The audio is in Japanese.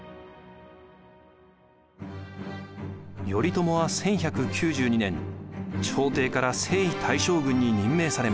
頼朝は１１９２年朝廷から征夷大将軍に任命されます。